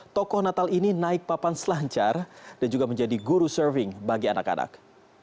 tokoh natal ini naik papan selancar dan juga menjadi guru surfing bagi anak anak